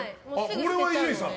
これは伊集院さん？